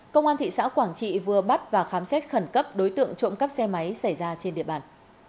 công an thị xã quảng trị vừa bắt và khám xét khẩn cấp đối tượng trộm cắp xe máy xảy ra trên địa bàn